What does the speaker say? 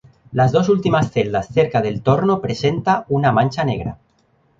En las dos últimas celdas cerca del torno presenta una mancha negra.